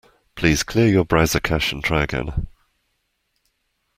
Please clear your browser cache and try again.